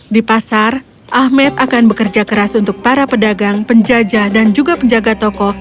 di pasar ahmed akan bekerja keras untuk para pedagang penjajah dan juga penjaga toko